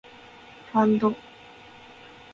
ファンド